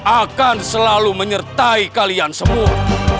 akan selalu menyertai kalian semua